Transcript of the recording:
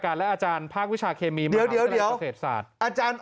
การและอาจารย์ภาควิชาเคมีเมีมาเดี๋ยวเดี๋ยวเดี๋ยวอาจารย์